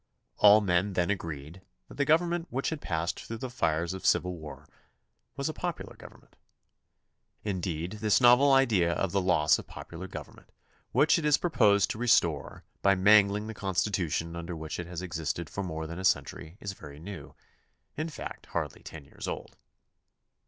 All men then agreed that the government which had passed through the fires of civil war was a popular government. Indeed, this novel idea of the loss of popular government which it is proposed to restore by mangUng the Constitution under which it has existed for more than a century is very new; in fact, hardly ten years old.